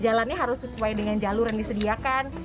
jalannya harus sesuai dengan jaluran disediakan